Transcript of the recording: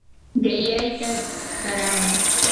qillayta qaramay.